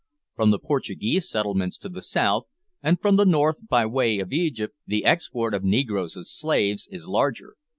From the Portuguese settlements to the south, and from the north by way of Egypt, the export of negroes as slaves is larger.